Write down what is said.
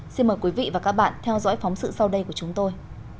xin mời quý vị và các bạn theo dõi phóng sự sau đây của chúng tôi